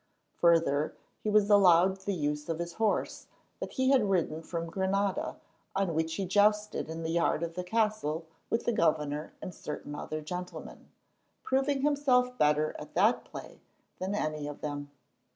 Further, he was allowed the use of his horse that he had ridden from Granada, on which he jousted in the yard of the castle with the governor and certain other gentlemen, proving himself better at that play than any of them.